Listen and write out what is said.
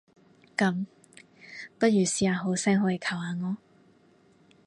噉，不如試下好聲好氣求下我？